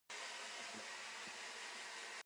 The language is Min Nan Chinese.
刣